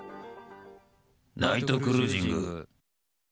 ナイトクルージング。